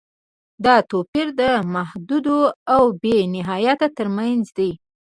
دا توپیر د محدود او بې نهایت تر منځ دی.